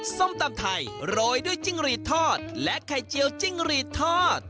ส้มตำไทยโรยด้วยจิ้งหรีดทอดและไข่เจียวจิ้งหรีดทอด